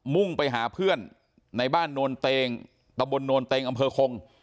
มุ่งไปหาเพื่อนในบ้านโนนเตงตะบนโนนเต็งอำเภอคง